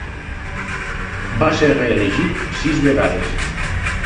Va ser reelegit sis vegades.